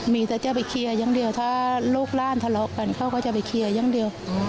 มีแต่จะไปเคลียร์อย่างเดียวถ้าลูกร่านทะเลาะกันเขาก็จะไปเคลียร์อย่างเดียว